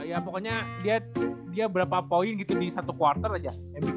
ya pokoknya dia berapa poin gitu di satu quarter aja